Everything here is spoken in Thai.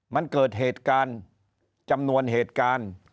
มันเกิดเหตุการณ์จำนวนเหตุการณ์